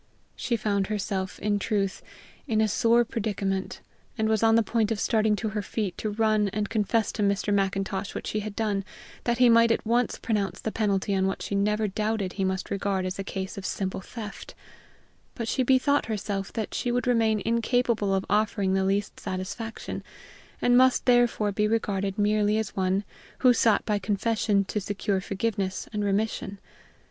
She found herself, in truth, in a sore predicament, and was on the point of starting to her feet to run and confess to Mr. Macintosh what she had done, that he might at once pronounce the penalty on what she never doubted he must regard as a case of simple theft; but she bethought herself that she would remain incapable of offering the least satisfaction, and must therefore be regarded merely as one who sought by confession to secure forgiveness and remission.